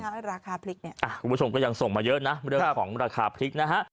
ราคาพริกเนี่ยคุณผู้ชมก็ยังส่งมาเยอะนะเรื่องของราคาพริกนะฮะ